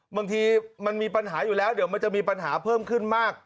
บางทีมันมีปัญหาอยู่แล้วเดี๋ยวมันจะมีปัญหาเพิ่มขึ้นมาก